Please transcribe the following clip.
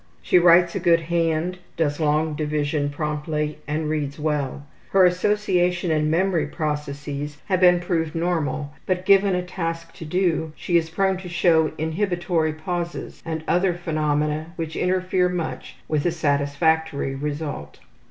She writes a good hand, does long division promptly, and reads well. Her association and memory processes have been proved normal, but given a task to do she is prone to show inhibitory pauses and other phenomena which interfere much with a satisfactory result.